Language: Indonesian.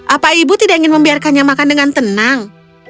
apa ibu tidak ingin membiarkannya makan dengan tenang